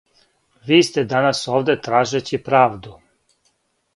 Ви сте данас овде тражећи правду.